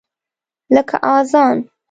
لکه اذان !